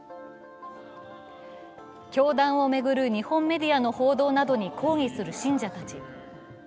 教団を巡る日本メディアの報道などに抗議する信者たち。